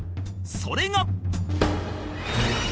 それが